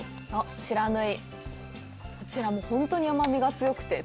不知火、こちらも本当に甘みが強くて。